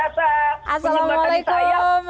assalamualaikum warahmatullahi wabarakatuh